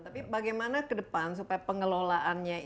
tapi bagaimana ke depan supaya pengelolaannya